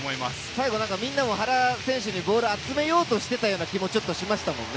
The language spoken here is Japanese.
最後、みんなが原選手に集めようとしていた気もしました。